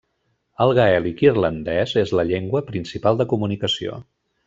El gaèlic irlandès és la llengua principal de comunicació.